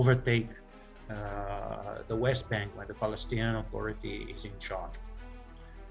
mereka menggantikan bank barat saat pemerintah palestina bertanggung jawab